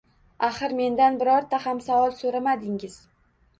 Axir mendan birorta ham savol soʻramadingiz